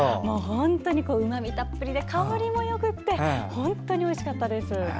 本当にうまみたっぷりで香りもよくて本当においしかったです。